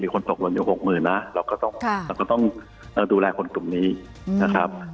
คนตกหล่นอยู่๖๐๐๐นะเราก็ต้องดูแลคนกลุ่มนี้นะครับ